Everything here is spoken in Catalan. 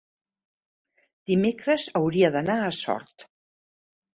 dimecres hauria d'anar a Sort.